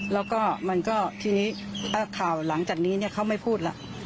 แล้วก็มันก็ทีนี้ข่าวหลังจากนี้เขาไม่พูดล่ะ